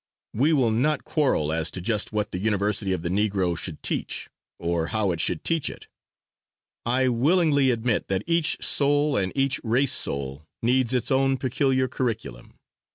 We will not quarrel as to just what the university of the Negro should teach or how it should teach it I willingly admit that each soul and each race soul needs its own peculiar curriculum.